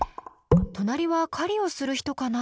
隣は狩りをする人かな？